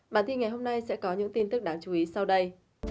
bản tin ngày hôm nay sẽ có những tin tức đáng chú ý sau đây